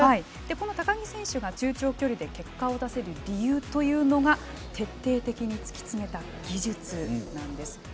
この高木選手が中長距離で結果を出せる理由というのが徹底的に突き詰めた技術なんです。